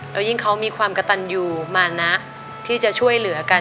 แล้วยิ่งเขามีความกระตันอยู่มานะที่จะช่วยเหลือกัน